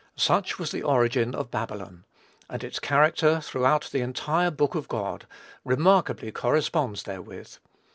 Such was the origin of Babylon; and its character, throughout the entire book of God, remarkably corresponds therewith.